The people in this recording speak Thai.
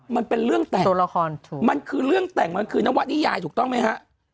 มันเป็นเรื่องแต่งมันคือเรื่องแต่งมันคือนวัดดิยายถูกต้องไหมฮะ